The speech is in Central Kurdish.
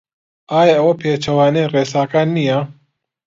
ئایا ئەوە پێچەوانەی ڕێساکان نییە؟